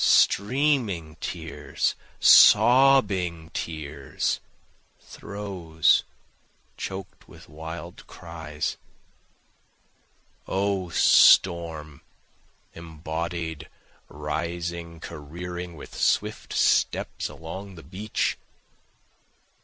Streaming tears, sobbing tears, throes, choked with wild cries; O storm, embodied, rising, careering with swift steps along the beach!